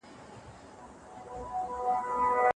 زدهکوونکي د ښوونځي دتدریسي لارو چارو څخه خوند اخلي.